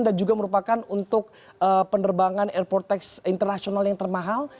dan juga merupakan untuk penerbangan airport tax internasional yang termahal